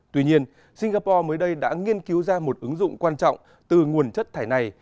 tuy nhiên singapore mới đây đã nghiên cứu ra một ứng dụng quan trọng từ nguồn chất thải này